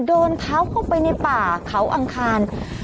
เดินเท้าเข้าไปในป่าเขาอังคาร